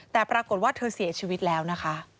แต่ปรากฏว่าเธอเสียชีวิตแล้วนะคะ